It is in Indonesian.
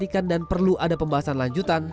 memastikan dan perlu ada pembahasan lanjutan